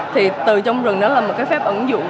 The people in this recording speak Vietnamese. thì từ trong rừng đó là một cái phép ẩn dụ